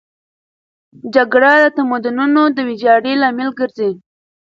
جګړه د تمدنونو د ویجاړۍ لامل ګرځي.